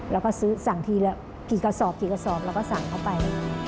เราก็สั่งทีละกี่กระสอบเราก็สั่งเข้าไป